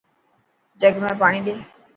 جگ ۾ پاڻي ڏي.